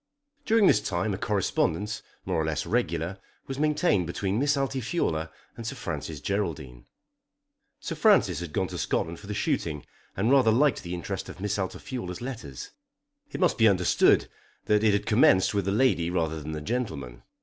During this time a correspondence, more or less regular, was maintained between Miss Altifiorla and Sir Francis Geraldine. Sir Francis had gone to Scotland for the shooting, and rather liked the interest of Miss Altifiorla's letters. It must be understood that it had commenced with the lady rather than the gentleman.